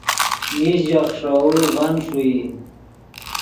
میش ژے خیݰوؤ ڤن ݰوئی